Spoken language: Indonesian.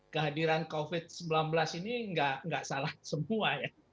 kehadiran covid sembilan belas ini nggak salah semua ya